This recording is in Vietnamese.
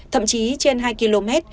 thậm chí trên hai km